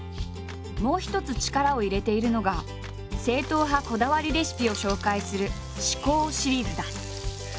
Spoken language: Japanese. もう一つ力を入れているのが正統派こだわりレシピを紹介する「至高シリーズ」だ。